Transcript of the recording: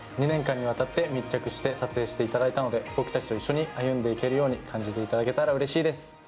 ２年間にわたって密着して撮影していただけたので、僕たちと一緒に感じていただけたらうれしいです。